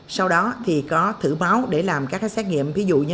sau đó thì có thử máu để làm các xét nghiệm